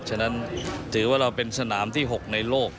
ฉะนั้นถือว่าเราเป็นสนามที่๖ในโลก